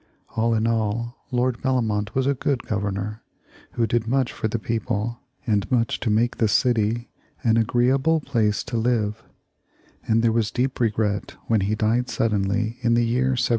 All in all, Lord Bellomont was a good Governor, who did much for the people, and much to make the city an agreeable place to live in; and there was deep regret when he died suddenly in the year 1701.